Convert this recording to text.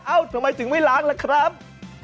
ทำไมถึงไม่ล้างล่ะครับ